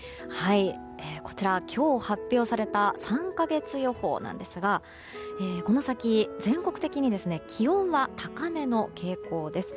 こちら、今日発表された３か月予報なんですがこの先、全国的に気温は高めの傾向です。